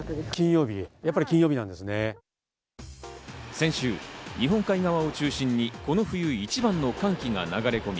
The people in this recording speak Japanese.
先週、日本海側を中心に、この冬一番の寒気が流れ込み、